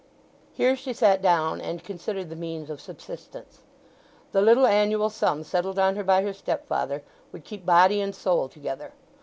Here she sat down and considered the means of subsistence. The little annual sum settled on her by her stepfather would keep body and soul together.